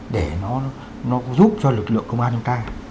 để nó giúp cho lực lượng công an trong tay